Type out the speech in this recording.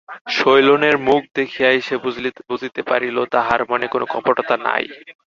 শৈলেনের মুখ দেখিয়াই সে বুঝিতে পারিল, তাহার মনে কোনো কপটতা নাই।